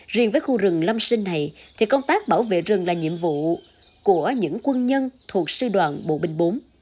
riêng với khu rừng lâm sinh này thì công tác bảo vệ rừng là nhiệm vụ của những quân nhân thuộc sư đoàn bộ binh bốn